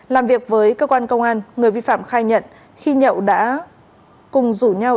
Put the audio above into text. làm việc với cơ quan công an người vi phạm khai nhận khi nhậu đã cùng rủ nhau